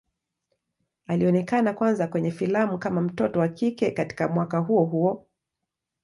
Alionekana kwanza kwenye filamu kama mtoto wa kike katika mwaka huo huo.